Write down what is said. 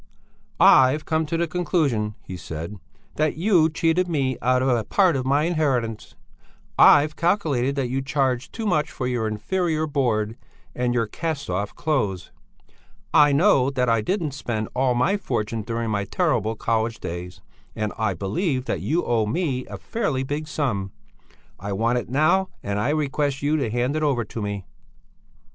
"I've come to the conclusion," he said, "that you cheated me out of a part of my inheritance; I've calculated that you charged too much for your inferior board and your cast off clothes; I know that I didn't spend all my fortune during my terrible college days, and I believe that you owe me a fairly big sum; I want it now, and I request you to hand it over to me."